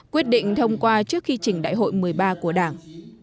quyết định thông qua trước khi chỉnh đại hội một mươi ba của đảng